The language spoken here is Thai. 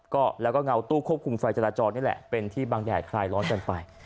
ก็แล้วก็เงาตู้ควบคุมไฟจราจรนี่แหละเป็นที่บางแดดคลายร้อนกันไป